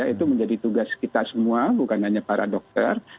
itu menjadi tugas kita semua bukan hanya para dokter